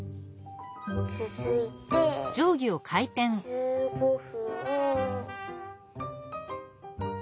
つづいて１５分。